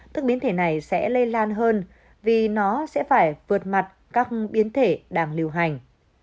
các biến thể này sẽ lây lan hơn vì nó sẽ phải vượt mặt các biến thể đang liều hành